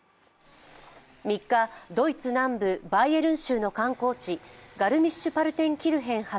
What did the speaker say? ３日、ドイツ南部バイエルン州の観光地、ガルミッシュ・パルテンキルヘン発